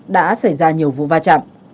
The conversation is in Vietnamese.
đã xảy ra nhiều vụ va chạm